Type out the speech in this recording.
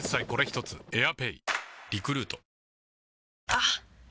あっ！